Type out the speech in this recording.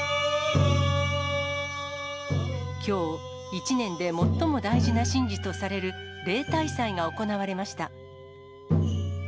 きょう、１年で最も大事な神事とされる、例大祭が行われました。